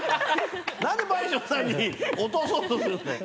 何で倍賞さん落とそうとするんだよ。